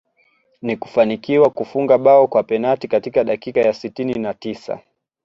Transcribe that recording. Na kufanikiwa kufunga bao kwa penalti katika dakika ya sitini na tisa